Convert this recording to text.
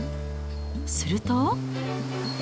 すると。